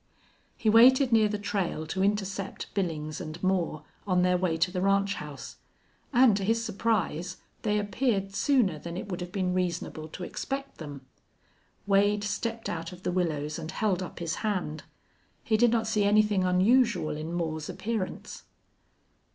He waited near the trail to intercept Billings and Moore on their way to the ranch house; and to his surprise they appeared sooner than it would have been reasonable to expect them. Wade stepped out of the willows and held up his hand. He did not see anything unusual in Moore's appearance.